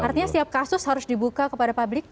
artinya setiap kasus harus dibuka kepada publik